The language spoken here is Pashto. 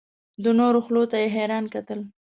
د نورو خولو ته یې حیران کتل.